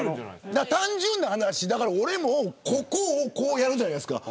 単純な話、俺もここをこうやるじゃないですか。